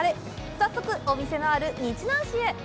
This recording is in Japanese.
早速、お店のある日南市へ！